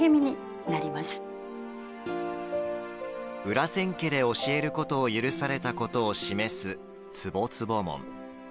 裏千家で教えることを許されたことを示すツボツボ紋。